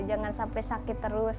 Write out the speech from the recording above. jangan sampai sakit terus